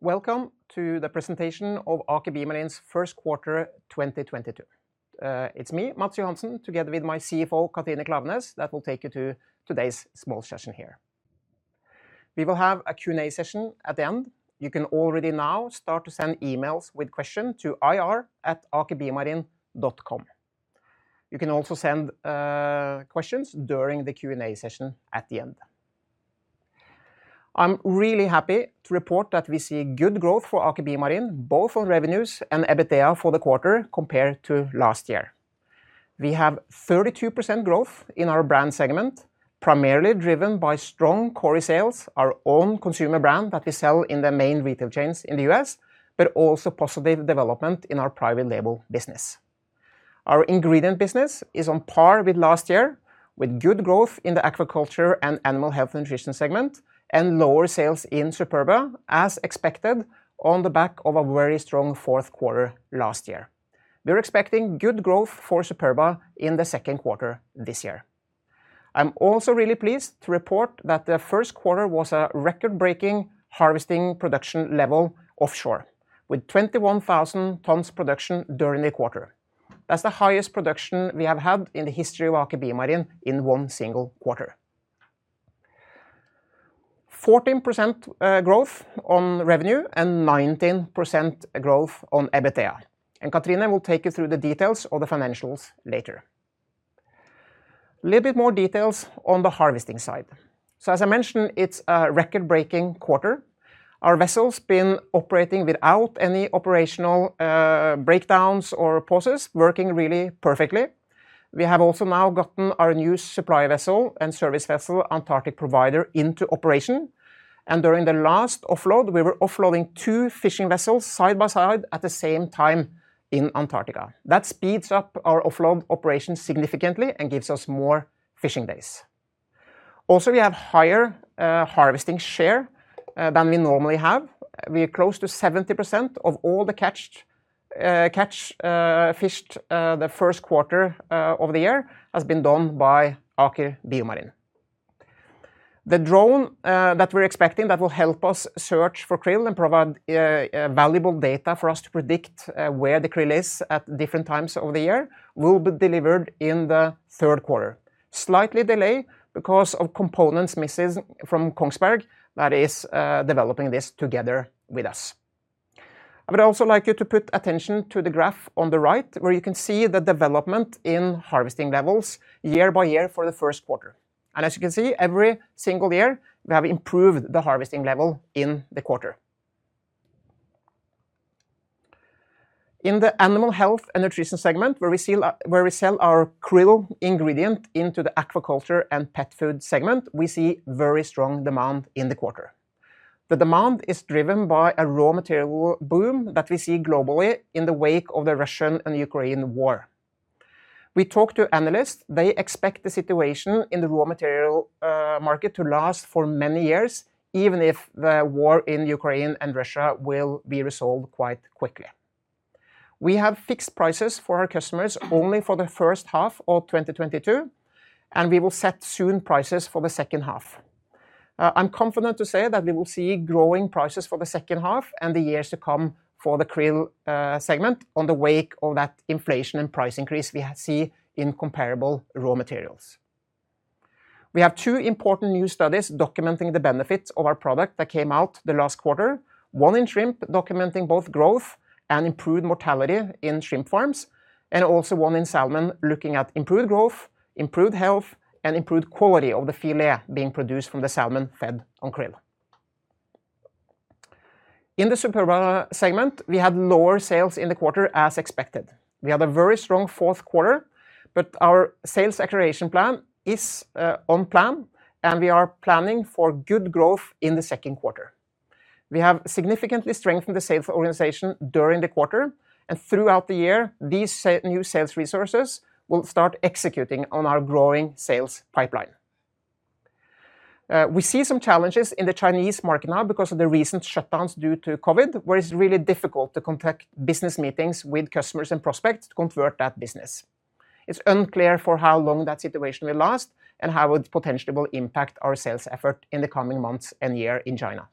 Welcome to the presentation of Aker BioMarine's Q1 2022. It's me, Matts Johansen, together with my CFO, Katrine Klaveness, that will take you to today's small session here. We will have a Q&A session at the end. You can already now start to send emails with questions to ir@akerbiomarine.com. You can also send questions during the Q&A session at the end. I'm really happy to report that we see good growth for Aker BioMarine, both on revenues and EBITDA for the quarter compared to last year. We have 32% growth in our brand segment, primarily driven by strong Kori sales, our own consumer brand that we sell in the main retail chains in the U.S., but also positive development in our private label business. Our ingredient business is on par with last year, with good growth in the aquaculture and animal health and nutrition segment, and lower sales in Superba, as expected, on the back of a very strong Q4 last year. We're expecting good growth for Superba in the Q2 this year. I'm also really pleased to report that the Q1 was a record-breaking harvesting production level offshore, with 21,000 tons production during the quarter. That's the highest production we have had in the history of Aker BioMarine in one single quarter. 14% growth on revenue and 19% growth on EBITDA. Katrine will take you through the details of the financials later. Little bit more details on the harvesting side. As I mentioned, it's a record-breaking quarter. Our vessel's been operating without any operational breakdowns or pauses, working really perfectly. We have also now gotten our new supply vessel and service vessel, Antarctic Provider, into operation. During the last offload, we were offloading two fishing vessels side by side at the same time in Antarctica. That speeds up our offload operations significantly and gives us more fishing days. Also, we have higher harvesting share than we normally have. We are close to 70% of all the catch the Q1 of the year has been done by Aker BioMarine. The drone that we're expecting that will help us search for krill and provide valuable data for us to predict where the krill is at different times of the year will be delivered in the Q3. Slightly delayed because of components missing from Kongsberg that is developing this together with us. I would also like you to put attention to the graph on the right, where you can see the development in harvesting levels year by year for the Q1. As you can see, every single year, we have improved the harvesting level in the quarter. In the animal health and nutrition segment, where we sell our krill ingredient into the aquaculture and pet food segment, we see very strong demand in the quarter. The demand is driven by a raw material boom that we see globally in the wake of the Russia-Ukraine war. We talked to analysts. They expect the situation in the raw material market to last for many years, even if the war in Ukraine and Russia will be resolved quite quickly. We have fixed prices for our customers only for the H1 of 2022, and we will set soon prices for the H2. I'm confident to say that we will see growing prices for the H2 and the years to come for the krill segment in the wake of that inflation and price increase we see in comparable raw materials. We have two important new studies documenting the benefits of our product that came out the last quarter, one in shrimp documenting both growth and improved mortality in shrimp farms, and also one in salmon looking at improved growth, improved health, and improved quality of the fillet being produced from the salmon fed on krill. In the Superba segment, we had lower sales in the quarter as expected. We had a very strong Q4, but our sales acceleration plan is on plan, and we are planning for good growth in the Q2. We have significantly strengthened the sales organization during the quarter and throughout the year. These new sales resources will start executing on our growing sales pipeline. We see some challenges in the Chinese market now because of the recent shutdowns due to COVID, where it's really difficult to conduct business meetings with customers and prospects to convert that business. It's unclear for how long that situation will last and how it potentially will impact our sales effort in the coming months and year in China.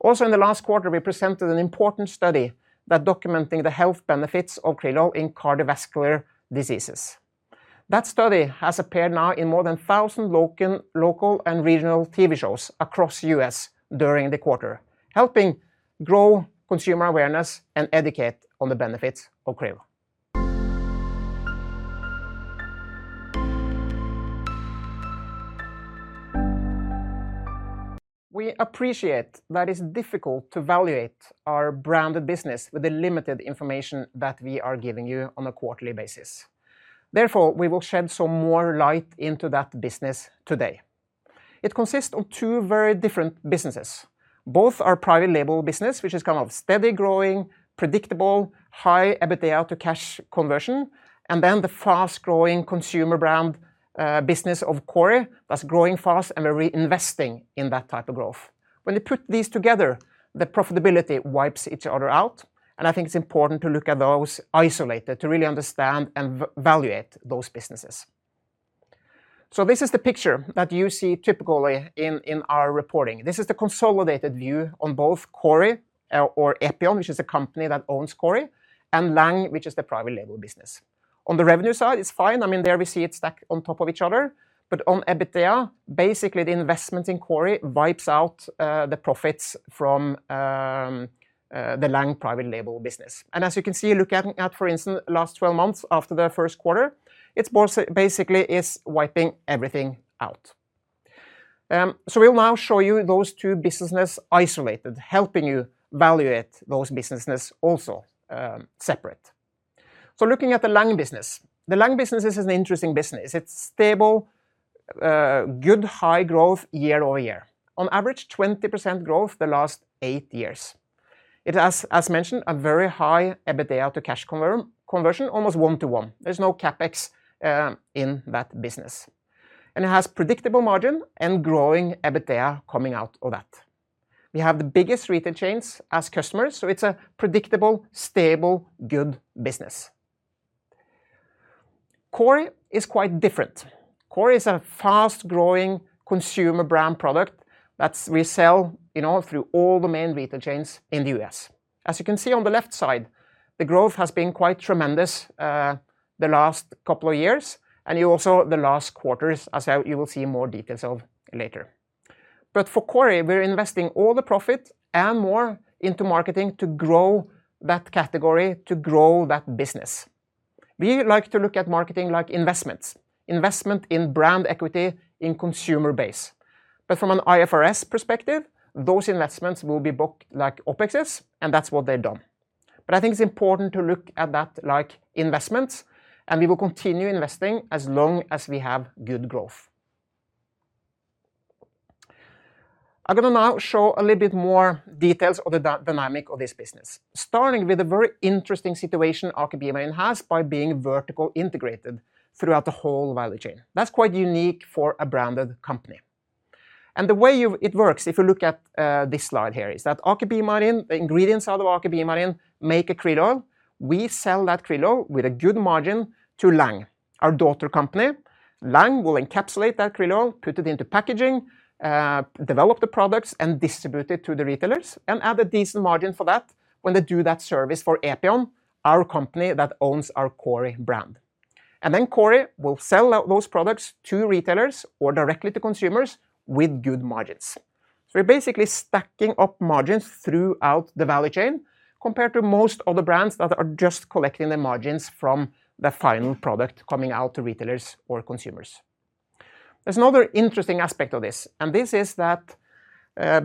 Also in the last quarter, we presented an important study that documenting the health benefits of krill oil in cardiovascular diseases. That study has appeared now in more than 1,000 local and regional TV shows across U.S. during the quarter, helping grow consumer awareness and educate on the benefits of krill. We appreciate that it's difficult to evaluate our branded business with the limited information that we are giving you on a quarterly basis. Therefore, we will shed some more light into that business today. It consists of two very different businesses. Both are private label business, which is kind of steady growing, predictable, high EBITDA to cash conversion, and then the fast-growing consumer brand business of Kori that's growing fast, and we're reinvesting in that type of growth. When you put these together, the profitability wipes each other out, and I think it's important to look at those isolated to really understand and evaluate those businesses. This is the picture that you see typically in our reporting. This is the consolidated view on both Kori, or Epion, which is a company that owns Kori, and Lang, which is the private label business. On the revenue side, it's fine. I mean, there we see it stacked on top of each other. On EBITDA, basically the investment in Kori wipes out the profits from the Lang private label business. As you can see, look at, for instance, last 12 months after the Q1, it's more so basically, it's wiping everything out. We'll now show you those two businesses isolated, helping you evaluate those businesses also separate. Looking at the Lang business. The Lang business is an interesting business. It's stable, good high growth year over year. On average, 20% growth the last eight years. It has, as mentioned, a very high EBITDA to cash conversion, almost one to one. There's no CapEx in that business. It has predictable margin and growing EBITDA coming out of that. We have the biggest retail chains as customers, so it's a predictable, stable, good business. Kori is quite different. Kori is a fast-growing consumer brand product that we sell, you know, through all the main retail chains in the U.S. As you can see on the left side, the growth has been quite tremendous, the last couple of years, and also the last quarters, as you will see more details of later. For Kori, we're investing all the profit and more into marketing to grow that category, to grow that business. We like to look at marketing like investments, investment in brand equity in consumer base. From an IFRS perspective, those investments will be booked like OpExes, and that's what they've done. I think it's important to look at that like investments, and we will continue investing as long as we have good growth. I'm going to now show a little bit more details of the dynamic of this business, starting with a very interesting situation Aker BioMarine has by being vertically integrated throughout the whole value chain. That's quite unique for a branded company. The way it works, if you look at this slide here, is that Aker BioMarine, the ingredients out of Aker BioMarine make a krill oil. We sell that krill oil with a good margin to Lang, our daughter company. Lang will encapsulate that krill oil, put it into packaging, develop the products, and distribute it to the retailers, and add a decent margin for that when they do that service for Epion, our company that owns our Kori brand. Then Kori will sell out those products to retailers or directly to consumers with good margins. We're basically stacking up margins throughout the value chain compared to most other brands that are just collecting the margins from the final product coming out to retailers or consumers. There's another interesting aspect of this, and this is that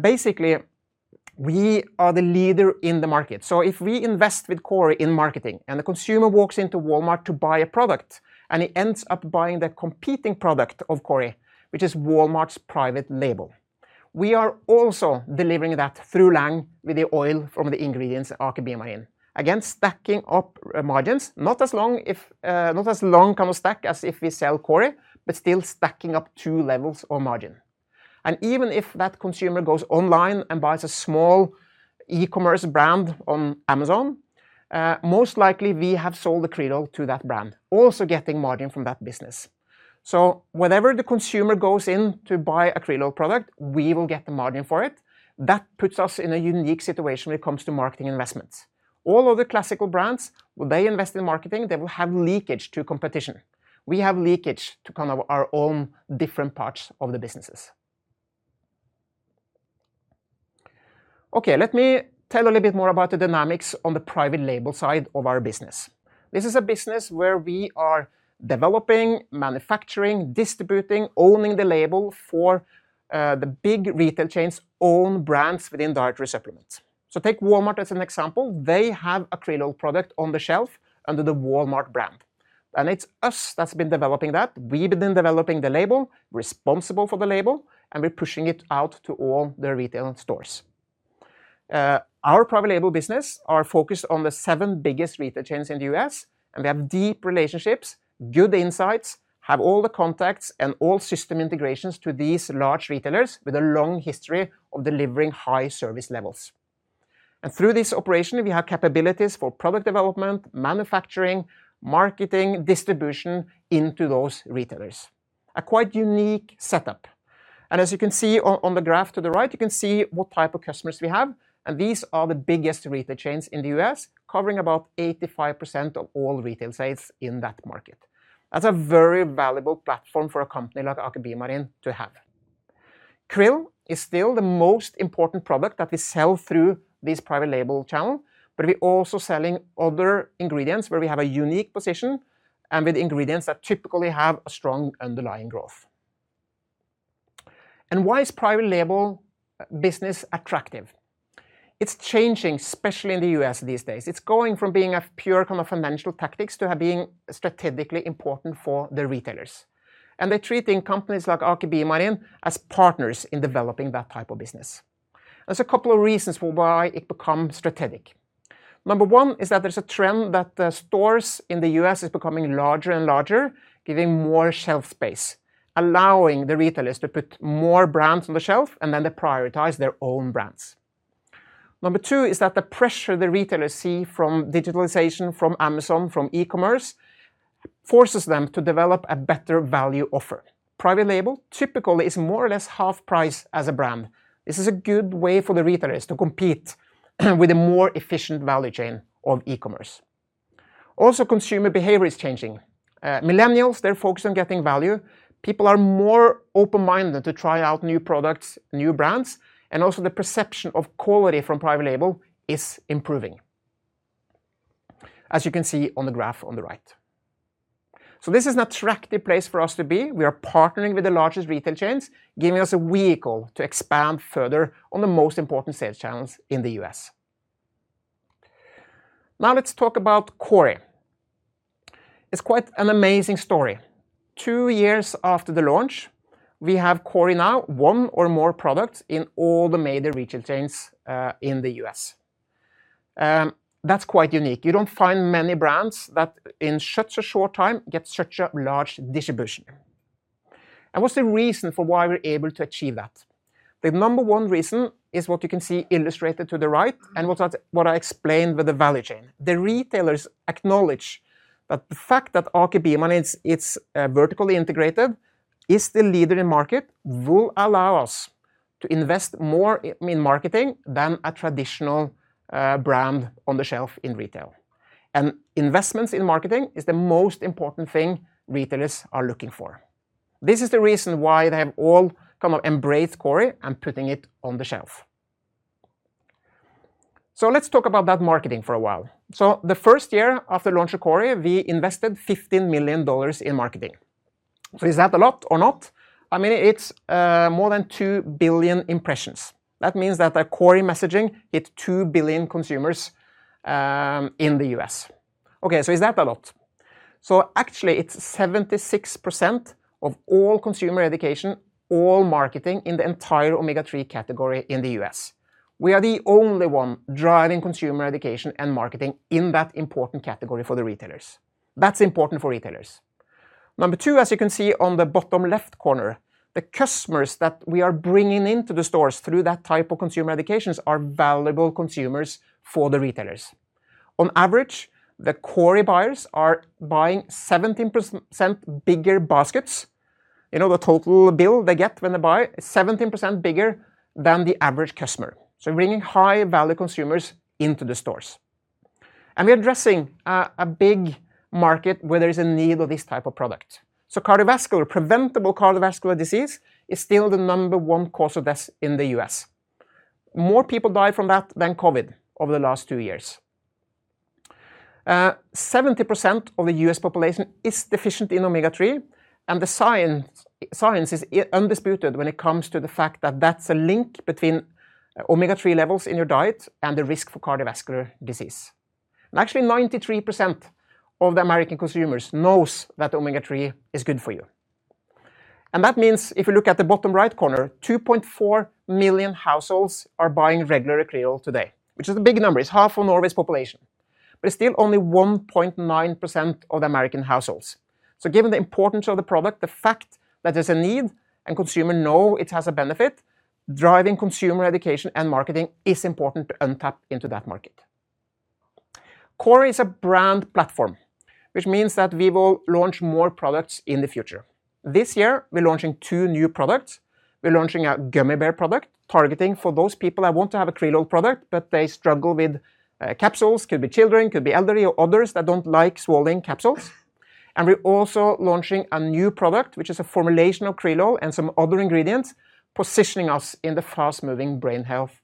basically we are the leader in the market. If we invest with Kori in marketing and the consumer walks into Walmart to buy a product, and he ends up buying the competing product of Kori, which is Walmart's private label, we are also delivering that through Lang with the oil from the ingredients Aker BioMarine. Again, stacking up margins, not as long kind of stack as if we sell Kori, but still stacking up two levels of margin. Even if that consumer goes online and buys a small e-commerce brand on Amazon, most likely we have sold the krill oil to that brand, also getting margin from that business. Whenever the consumer goes in to buy a krill oil product, we will get the margin for it. That puts us in a unique situation when it comes to marketing investments. All other classical brands, when they invest in marketing, they will have leakage to competition. We have leakage to kind of our own different parts of the businesses. Okay, let me tell a little bit more about the dynamics on the private label side of our business. This is a business where we are developing, manufacturing, distributing, owning the label for, the big retail chains' own brands within dietary supplements. Take Walmart as an example. They have a krill oil product on the shelf under the Walmart brand. It's us that's been developing that. We've been developing the label, responsible for the label, and we're pushing it out to all their retail stores. Our private label business are focused on the seven biggest retail chains in the U.S., and we have deep relationships, good insights, have all the contacts and all system integrations to these large retailers with a long history of delivering high service levels. Through this operation, we have capabilities for product development, manufacturing, marketing, distribution into those retailers. A quite unique setup. As you can see on the graph to the right, you can see what type of customers we have. These are the biggest retail chains in the U.S., covering about 85% of all retail sales in that market. That's a very valuable platform for a company like Aker BioMarine to have. Krill is still the most important product that we sell through this private label channel, but we're also selling other ingredients where we have a unique position and with ingredients that typically have a strong underlying growth. Why is private label business attractive? It's changing, especially in the U.S. these days. It's going from being a pure kind of financial tactics to being strategically important for the retailers. They're treating companies like Aker BioMarine as partners in developing that type of business. There's a couple of reasons for why it become strategic. Number one is that there's a trend that the stores in the U.S. is becoming larger and larger, giving more shelf space, allowing the retailers to put more brands on the shelf, and then they prioritize their own brands. Number two is that the pressure the retailers see from digitalization from Amazon, from e-commerce, forces them to develop a better value offer. Private label typically is more or less half-price as a brand. This is a good way for the retailers to compete and with a more efficient value chain of e-commerce. Also, consumer behavior is changing. Millennials, they're focused on getting value. People are more open-minded to try out new products, new brands, and also the perception of quality from private label is improving, as you can see on the graph on the right. This is an attractive place for us to be. We are partnering with the largest retail chains, giving us a vehicle to expand further on the most important sales channels in the U.S. Now let's talk about Kori. It's quite an amazing story. Two years after the launch, we have Kori now one or more products in all the major retail chains in the U.S. That's quite unique. You don't find many brands that in such a short time get such a large distribution. What's the reason for why we're able to achieve that? The number one reason is what you can see illustrated to the right and what I explained with the value chain. The retailers acknowledge that the fact that Aker BioMarine is, it's vertically integrated is the leader in the market will allow us to invest more in marketing than a traditional brand on the shelf in retail. Investments in marketing is the most important thing retailers are looking for. This is the reason why they have all come and embraced Kori and putting it on the shelf. Let's talk about that marketing for a while. The first year after launch of Kori, we invested $15 million in marketing. Is that a lot or not? I mean, it's more than 2 billion impressions. That means that the Kori messaging hit 2 billion consumers in the US. Okay, is that a lot? Actually it's 76% of all consumer education, all marketing in the entire omega-3 category in the US. We are the only one driving consumer education and marketing in that important category for the retailers. That's important for retailers. Two, as you can see on the bottom left corner, the customers that we are bringing into the stores through that type of consumer education are valuable consumers for the retailers. On average, the Kori buyers are buying 17% bigger baskets. You know, the total bill they get when they buy is 17% bigger than the average customer, so bringing high-value consumers into the stores. We are addressing a big market where there is a need of this type of product. Cardiovascular, preventable cardiovascular disease is still the number one cause of death in the U.S. More people die from that than COVID over the last two years. 70% of the U.S. population is deficient in omega-3, and the science is undisputed when it comes to the fact that that's a link between omega-3 levels in your diet and the risk for cardiovascular disease. Actually, 93% of the American consumers knows that omega-3 is good for you. That means if you look at the bottom right corner, 2.4 million households are buying regular krill today, which is a big number. It's half of Norway's population, but it's still only 1.9% of the American households. Given the importance of the product, the fact that there's a need and consumers know it has a benefit, driving consumer education and marketing is important to tap into that market. Kori is a brand platform, which means that we will launch more products in the future. This year we're launching two new products. We're launching a gummy bear product targeting for those people that want to have a krill product, but they struggle with capsules. Could be children, could be elderly or others that don't like swallowing capsules. We're also launching a new product, which is a formulation of krill and some other ingredients positioning us in the fast-moving brain health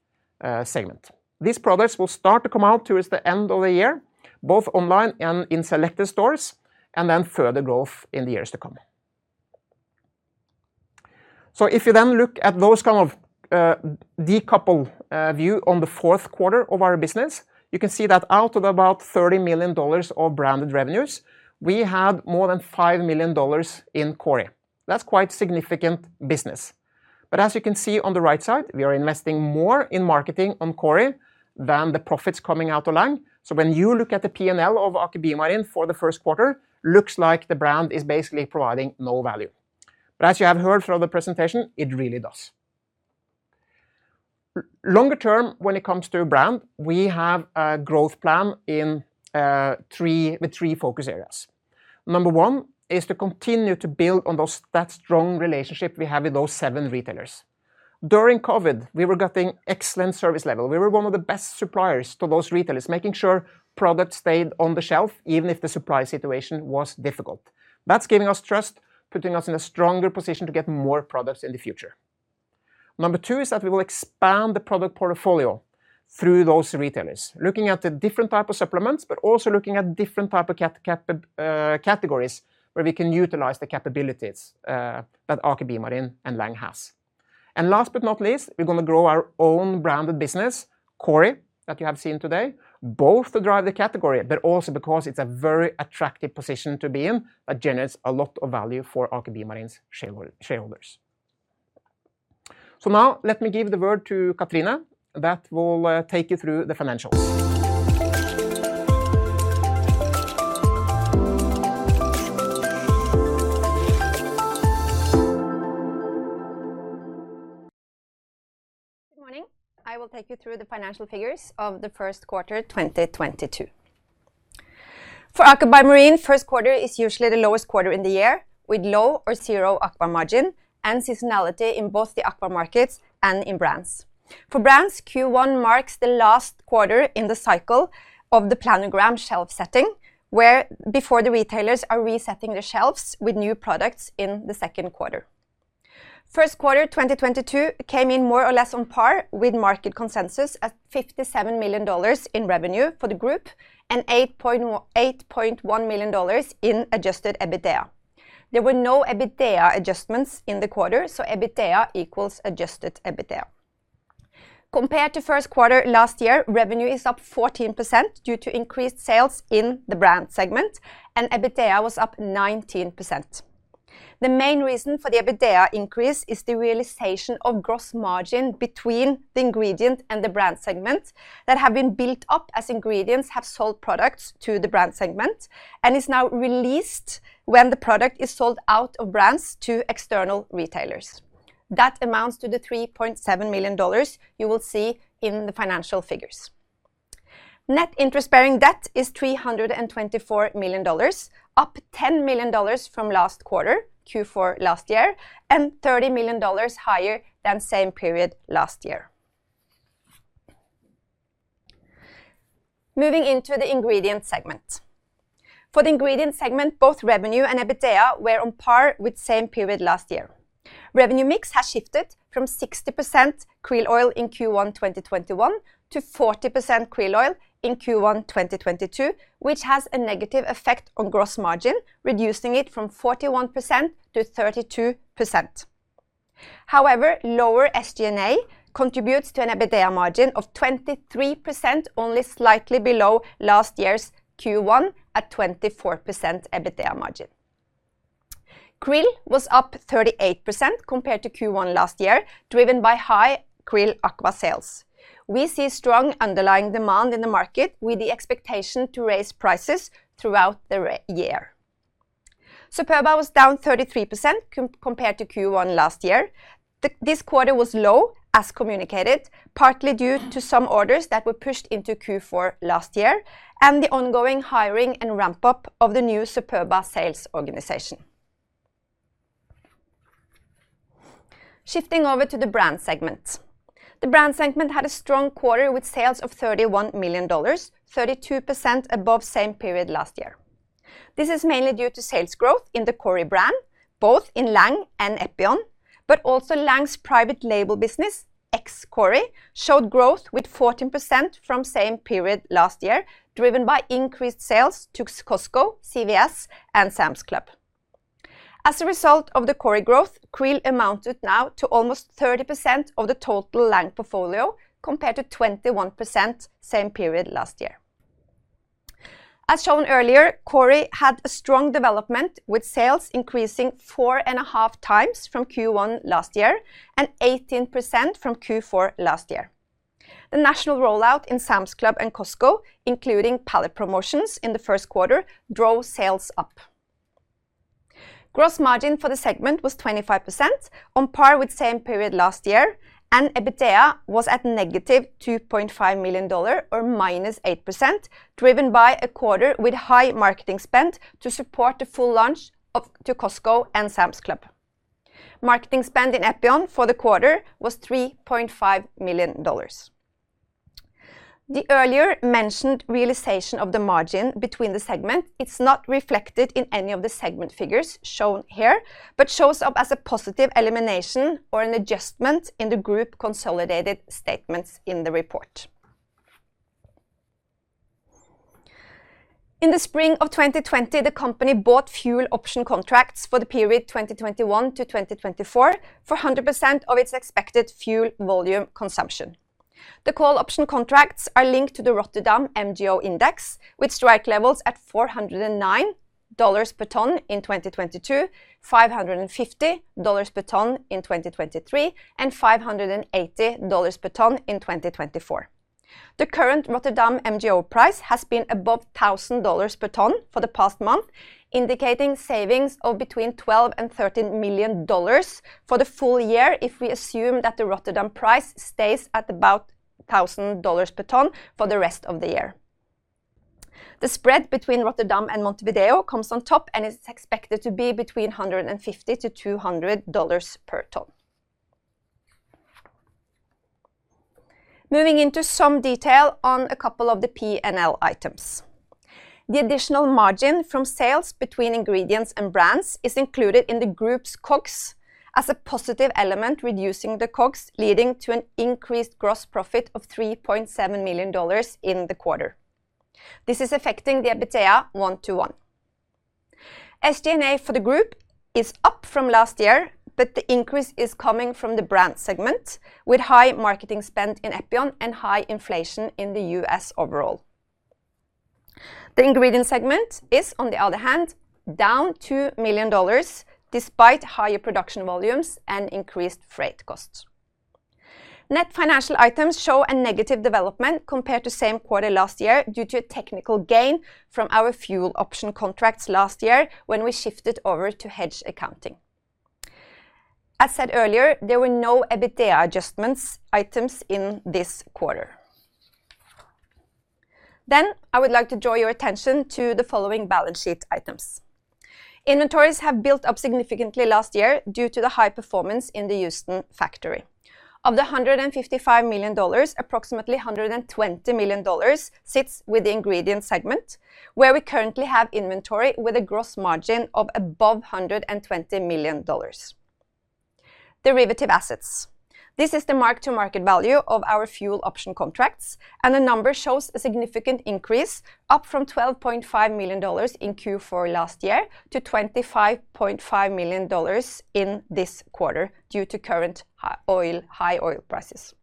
segment. These products will start to come out towards the end of the year, both online and in selected stores, and then further growth in the years to come. If you then look at that kind of decoupled view on the Q4 of our business, you can see that out of about $30 million of branded revenues, we have more than $5 million in Kori. That's quite significant business. As you can see on the right side, we are investing more in marketing on Kori than the profits coming out of Lang. When you look at the P&L of Aker BioMarine for the Q1, looks like the brand is basically providing no value. As you have heard from the presentation, it really does. Longer term, when it comes to brand, we have a growth plan in three, with three focus areas. Number one is to continue to build on those, that strong relationship we have with those seven retailers. During COVID, we were getting excellent service level. We were one of the best suppliers to those retailers, making sure product stayed on the shelf even if the supply situation was difficult. That's giving us trust, putting us in a stronger position to get more products in the future. Number two is that we will expand the product portfolio through those retailers. Looking at the different type of supplements, but also looking at different type of categories where we can utilize the capabilities that Aker BioMarine and Lang has. Last but not least, we're gonna grow our own branded business, Kori, that you have seen today, both to drive the category, but also because it's a very attractive position to be in that generates a lot of value for Aker BioMarine's shareholders. Now let me give the word to Katrine that will take you through the financials. Good morning. I will take you through the financial figures of the Q1 2022. For Aker BioMarine, Q1 is usually the lowest quarter in the year with low or zero Aqua margin and seasonality in both the Aqua markets and in brands. For brands, Q1 marks the last quarter in the cycle of the planogram shelf setting where before the retailers are resetting their shelves with new products in the Q2. Q1 2022 came in more or less on par with market consensus at $57 million in revenue for the group and $8.1 million in adjusted EBITDA. There were no EBITDA adjustments in the quarter, so EBITDA equals adjusted EBITDA. Compared to Q1 last year, revenue is up 14% due to increased sales in the brand segment, and EBITDA was up 19%. The main reason for the EBITDA increase is the realization of gross margin between the ingredient and the brand segment that have been built up as ingredients have sold products to the brand segment and is now released when the product is sold out of brands to external retailers. That amounts to the $3.7 million you will see in the financial figures. Net interest-bearing debt is $324 million, up $10 million from last quarter, Q4 last year, and $30 million higher than same period last year. Moving into the ingredient segment. For the ingredient segment, both revenue and EBITDA were on par with same period last year. Revenue mix has shifted from 60% krill oil in Q1 2021 to 40% krill oil in Q1 2022, which has a negative effect on gross margin, reducing it from 41% to 32%. However, lower SG&A contributes to an EBITDA margin of 23%, only slightly below last year's Q1 at 24% EBITDA margin. QRILL was up 38% compared to Q1 last year, driven by high QRILL Aqua sales. We see strong underlying demand in the market with the expectation to raise prices throughout the rest of the year. Superba was down 33% compared to Q1 last year. This quarter was low, as communicated, partly due to some orders that were pushed into Q4 last year and the ongoing hiring and ramp-up of the new Superba sales organization. Shifting over to the brand segment. The brand segment had a strong quarter with sales of $31 million, 32% above same period last year. This is mainly due to sales growth in the Kori brand, both in Lang and Epion, but also Lang's private label business, Kori, showed growth with 14% from same period last year, driven by increased sales to Costco, CVS, and Sam's Club. As a result of the Kori growth, krill amounted now to almost 30% of the total Lang portfolio, compared to 21% same period last year. As shown earlier, Kori had a strong development with sales increasing 4.5 times from Q1 last year and 18% from Q4 last year. The national rollout in Sam's Club and Costco, including pallet promotions in the Q1, drove sales up. Gross margin for the segment was 25%, on par with same period last year, and EBITDA was at -$2.5 million or -8%, driven by a quarter with high marketing spend to support the full launch to Costco and Sam's Club. Marketing spend in Epion for the quarter was $3.5 million. The earlier mentioned realization of the margin between the segment, it's not reflected in any of the segment figures shown here, but shows up as a positive elimination or an adjustment in the group consolidated statements in the report. In the spring of 2020, the company bought fuel option contracts for the period 2021 to 2024 for 100% of its expected fuel volume consumption. The call option contracts are linked to the Rotterdam MGO index with strike levels at $409 per ton in 2022, $550 per ton in 2023, and $580 per ton in 2024. The current Rotterdam MGO price has been above $1,000 per ton for the past month, indicating savings of between $12 million and $13 million for the full year if we assume that the Rotterdam price stays at about $1,000 per ton for the rest of the year. The spread between Rotterdam and Montevideo comes on top and is expected to be between $150-$200 per ton. Moving into some detail on a couple of the P&L items. The additional margin from sales between ingredients and brands is included in the group's COGS as a positive element, reducing the COGS, leading to an increased gross profit of $3.7 million in the quarter. This is affecting the EBITDA 1-to-1. SG&A for the group is up from last year, but the increase is coming from the brand segment with high marketing spend in Epion and high inflation in the U.S. overall. The ingredient segment is, on the other hand, down $2 million despite higher production volumes and increased freight costs. Net financial items show a negative development compared to same quarter last year due to a technical gain from our fuel option contracts last year when we shifted over to hedge accounting. As said earlier, there were no EBITDA adjustments items in this quarter. I would like to draw your attention to the following balance sheet items. Inventories have built up significantly last year due to the high performance in the Houston factory. Of the $155 million, approximately $120 million sits with the ingredient segment, where we currently have inventory with a gross margin of above $120 million. Derivative assets. This is the mark-to-market value of our fuel option contracts, and the number shows a significant increase, up from $12.5 million in Q4 last year to $25.5 million in this quarter due to current high oil prices.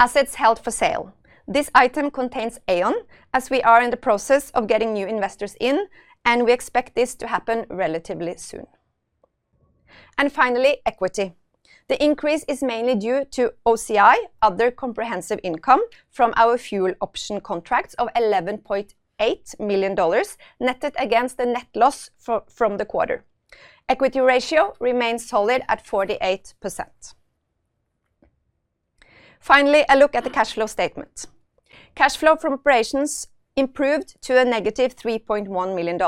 Assets held for sale. This item contains AION, as we are in the process of getting new investors in, and we expect this to happen relatively soon. Finally, equity. The increase is mainly due to OCI, other comprehensive income, from our fuel option contracts of $11.8 million, netted against the net loss from the quarter. Equity ratio remains solid at 48%. Finally, a look at the cash flow statement. Cash flow from operations improved to -$3.1 million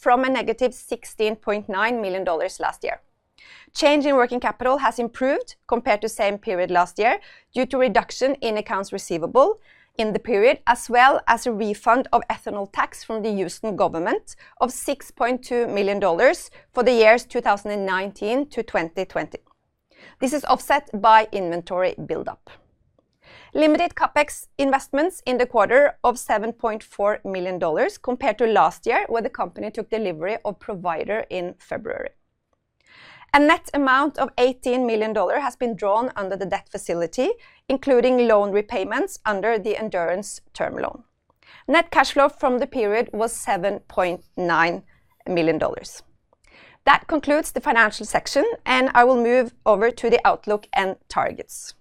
from -$16.9 million last year. Change in working capital has improved compared to same period last year due to reduction in accounts receivable in the period, as well as a refund of ethanol tax from the US government of $6.2 million for the years 2019 to 2020. This is offset by inventory buildup. Limited CapEx investments in the quarter of $7.4 million compared to last year, where the company took delivery of Provider in February. A net amount of $18 million has been drawn under the debt facility, including loan repayments under the Endurance term loan. Net cash flow from the period was $7.9 million. That concludes the financial section, and I will move over to the outlook and targets.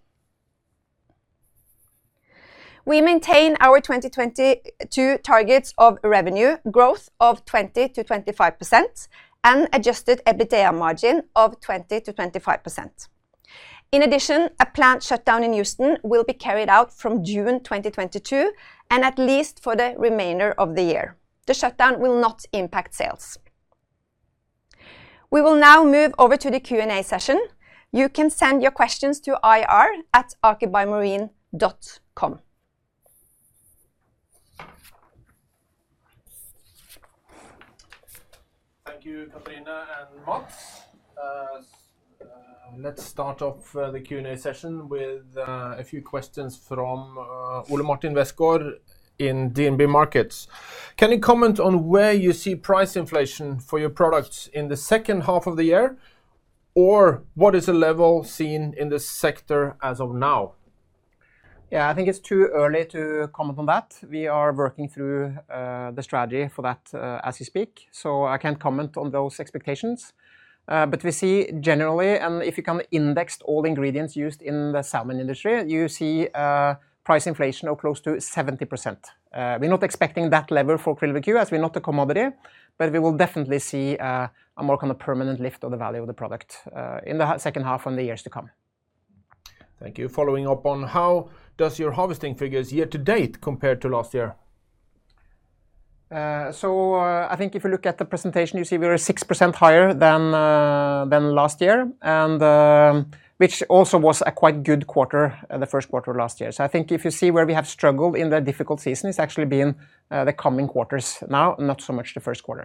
We maintain our 2022 targets of revenue growth of 20%-25% and adjusted EBITDA margin of 20%-25%. In addition, a plant shutdown in Houston will be carried out from June 2022, and at least for the remainder of the year. The shutdown will not impact sales. We will now move over to the Q&A session. You can send your questions to ir@akerbiomarine.com. Thank you, Katrine and Matts. Let's start off the Q&A session with a few questions from Ole Martin Westgaard in DNB Markets. Can you comment on where you see price inflation for your products in the H2 of the year? Or what is the level seen in this sector as of now? Yeah, I think it's too early to comment on that. We are working through the strategy for that as we speak, so I can't comment on those expectations. We see generally, and if you can index all the ingredients used in the salmon industry, you see price inflation of close to 70%. We're not expecting that level for QRILL Aqua, as we're not a commodity, but we will definitely see a more kind of permanent lift of the value of the product in the H2 and the years to come. Thank you. Following up on how does your harvesting figures year to date compare to last year? I think if you look at the presentation, you see we are 6% higher than last year, and which also was a quite good quarter, the Q1 last year. I think if you see where we have struggled in the difficult season, it's actually been the coming quarters now, not so much the Q1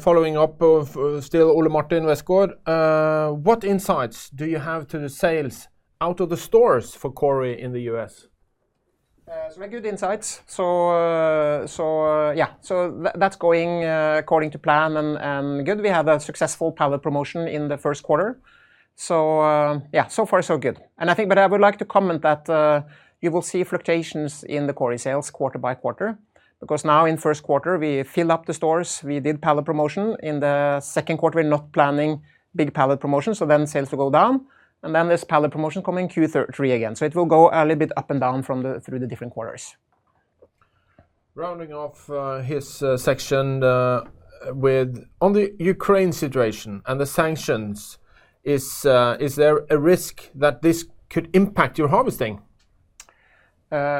Following up with Ole Martin Westgaard, what insights do you have into the sales out of the stores for Kori in the US? We get insights. That's going according to plan and well. We have a successful pallet promotion in the Q1. So far, so good. I would like to comment that you will see fluctuations in the Kori sales quarter by quarter, because now in Q1, we fill up the stores. We did pallet promotion. In the Q2, we're not planning big pallet promotions, so then sales will go down. Then there's pallet promotion coming Q3 again. It will go a little bit up and down through the different quarters. Rounding off his section with on the Ukraine situation and the sanctions, is there a risk that this could impact your harvesting?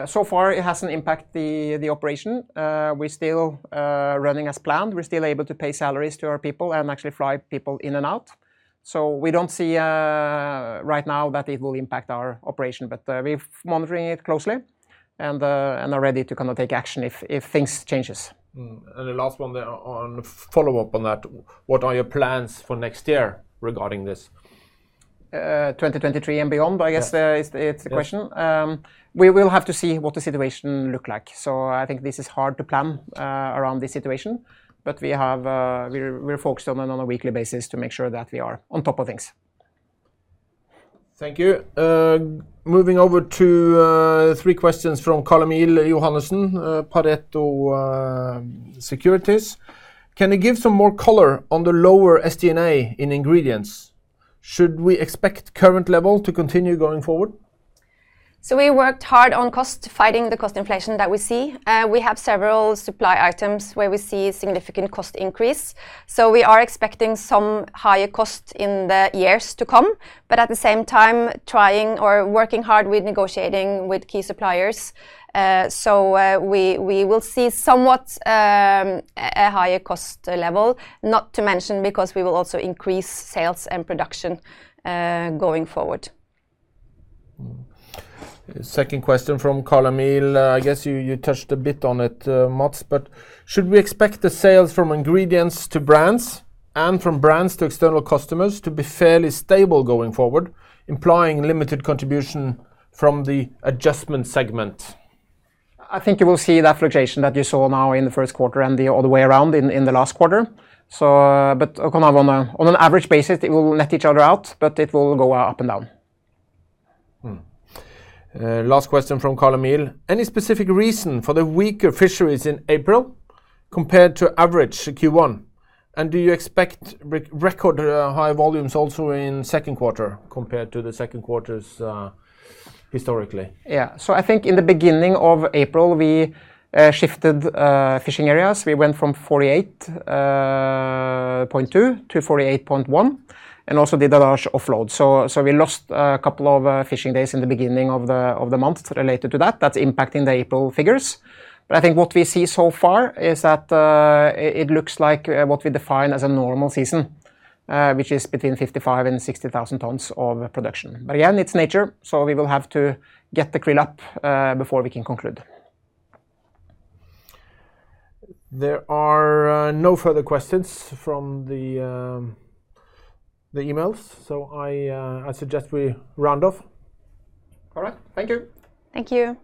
So far it hasn't impacted the operation. We're still running as planned. We're still able to pay salaries to our people and actually fly people in and out. We don't see right now that it will impact our operation, but we're monitoring it closely and are ready to come and take action if things changes. The last one there on follow-up on that. What are your plans for next year regarding this? 2023 and beyond, I guess. Yeah It's the question. We will have to see what the situation looks like. I think this is hard to plan around this situation. We're focused on it on a weekly basis to make sure that we are on top of things. Thank you. Moving over to three questions from Carl-Emil Kjølås Johannessen, Pareto Securities. Can you give some more color on the lower SG&A in ingredients? Should we expect current level to continue going forward? We worked hard on cost, fighting the cost inflation that we see. We have several supply items where we see significant cost increase, so we are expecting some higher costs in the years to come, but at the same time trying or working hard with negotiating with key suppliers. We will see somewhat a higher cost level, not to mention because we will also increase sales and production going forward. Second question from Carl Emil. I guess you touched a bit on it, Matts, but should we expect the sales from ingredients to brands and from brands to external customers to be fairly stable going forward, implying limited contribution from the adjustment segment? I think you will see that fluctuation that you saw now in the Q1 and the other way around in the last quarter. Kind of on an average basis, it will net each other out, but it will go up and down. Last question from Carl-Emil Johannessen. Any specific reason for the weaker fisheries in April compared to average Q1, and do you expect record high volumes also in Q2 compared to the Q2 historically? Yeah. I think in the beginning of April, we shifted fishing areas. We went from 48.2-48.1, and also did a large offload. We lost a couple of fishing days in the beginning of the month related to that. That's impacting the April figures. I think what we see so far is that it looks like what we define as a normal season, which is between 55,000-60,000 tons of production. Again, it's nature, so we will have to get the krill up before we can conclude. There are no further questions from the emails, so I suggest we round off. All right. Thank you. Thank you.